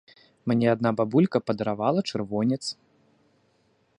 Мне адна бабулька падаравала чырвонец.